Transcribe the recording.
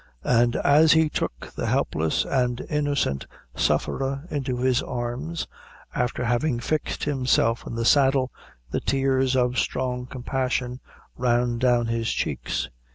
And as he took the helpless and innocent sufferer into his arms, after having fixed himself in the saddle, the tears of strong compassion ran down his cheeks.